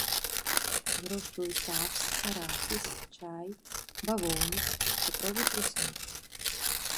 Вырошчваюць рапс, арахіс, чай, бавоўнік, цукровы трыснёг.